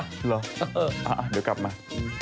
เดี๋ยวกลับมา